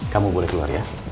kamu boleh keluar ya